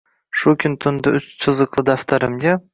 Shu kun tunda uch chiziqli daftarimga